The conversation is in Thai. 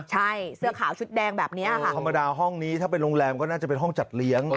ใช่เสื้อขาวชุดแดงแบบนี้ค่ะธรรมดาห้องนี้ถ้าเป็นโรงแรมก็น่าจะเป็นห้องจัดเลี้ยง